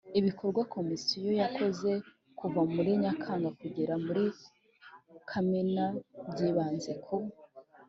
Ibikorwa Komisiyo yakoze kuva muri Nyakanga kugera muri Kamena byibanze ku